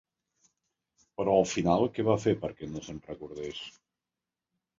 Però al final què va fer perquè no se'n recordés?